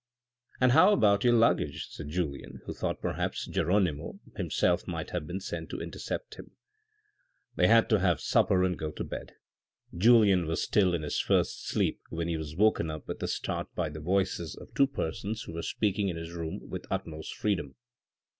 " And how about your luggage?" said Julien, who thought perhaps Geronimo himself might have been sent to intercept him. They had to have supper and go to bed. Julien was still in his first sleep when he was woken up with a start by 398 THE RED AND THE BLACK the voices of two persons who were speaking in his room with utmost freedom.